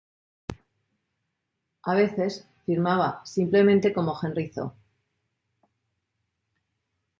A veces, firmaba simplemente como Henri Zo.